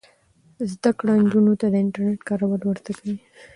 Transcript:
زده کړه نجونو ته د انټرنیټ کارول ور زده کوي.